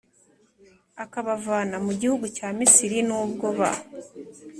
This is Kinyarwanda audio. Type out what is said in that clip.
akabavana mu gihugu cya misiri; n’ubwo ba